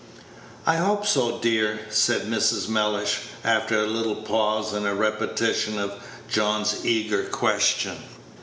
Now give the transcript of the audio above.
"I hope so, dear," said Mrs. Mellish, after a little pause, and a repetition of John's eager question.